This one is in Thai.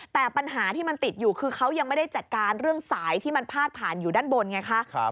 แต่ปัญหาที่มันติดอยู่คือเขายังไม่ได้จัดการเรื่องสายที่มันพาดผ่านอยู่ด้านบนไงคะ